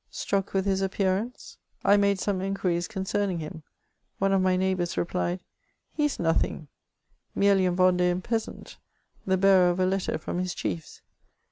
Struck with his appearance, I made some inquiries concerning him; one of my neighbours replied, " He is nothing — merely a Vendean peasant — the bearer of a letter from his chiefe."